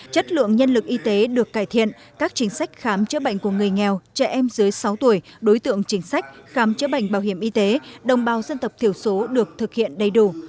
chất lượng nhân lực y tế được cải thiện các chính sách khám chữa bệnh của người nghèo trẻ em dưới sáu tuổi đối tượng chính sách khám chữa bệnh bảo hiểm y tế đồng bào dân tộc thiểu số được thực hiện đầy đủ